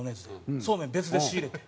そうめん別で仕入れて。